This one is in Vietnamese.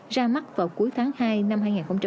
ra mắt vào cuối tháng hai năm hai nghìn hai mươi